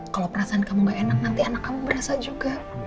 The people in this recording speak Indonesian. kalau perasaan kamu gak enak nanti anak kamu berasa juga